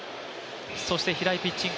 そして平井ピッチング